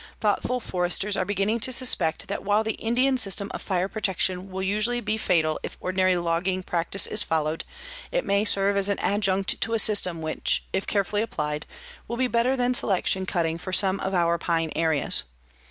Thoughtful foresters are beginning to suspect that while the "Indian" system of fire protection will usually be fatal if ordinary logging practice is followed, it may serve as an adjunct to a system which, if carefully applied, will be better than selection cutting for some of our pine areas.